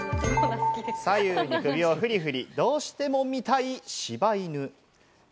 左右に首をフリフリ、どうしても見たい、しば犬。